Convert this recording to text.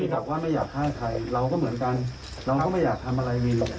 ผมแบบว่าไม่อยากฆ่าใครเราก็เหมือนกันเราก็ไม่อยากทำอะไรมี